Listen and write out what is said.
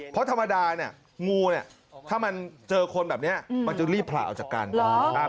เพราะธรรมดาเนี่ยงูเนี่ยถ้ามันเจอคนแบบนี้มันจะรีบผล่าออกจากกัน